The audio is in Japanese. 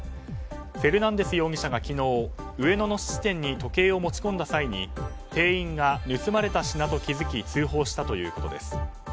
フェルナンデス容疑者が昨日上野の質店に時計を持ち込んだ際に店員が盗まれた品と気づき通報したということです。